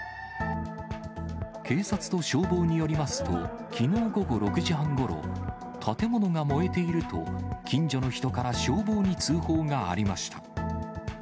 警察と消防によりますと、きのう午後６時半ごろ、建物が燃えていると、近所の人から消防に通報がありました。